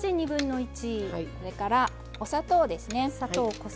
それからお砂糖ですね。